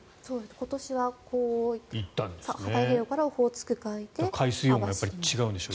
今年は太平洋からオホーツク海で網走と。